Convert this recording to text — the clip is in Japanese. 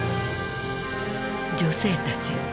女性たちよ